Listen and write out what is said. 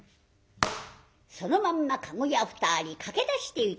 そのまんま駕籠屋２人駆け出してゆきました。